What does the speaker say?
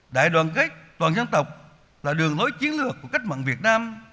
đại đoàn kết toàn dân tộc là đường lối chiến lược của cách mạng việt nam